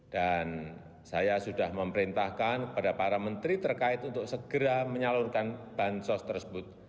dan saya sudah memerintahkan kepada para menteri terkait untuk segera menyalurkan bansos tersebut